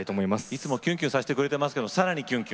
いつもキュンキュンさせてくれてますけどさらにキュンキュン？